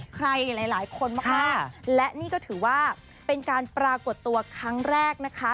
ใครหลายคนมากและนี่ก็ถือว่าเป็นการปรากฏตัวครั้งแรกนะคะ